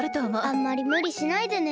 あんまりむりしないでね。